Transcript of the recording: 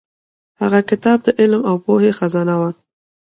هغه کتاب د علم او پوهې خزانه وه.